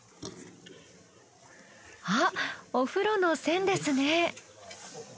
あっお風呂の栓ですね。